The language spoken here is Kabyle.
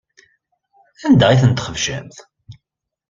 Anda ay tent-txebcemt?